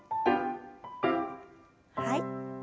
はい。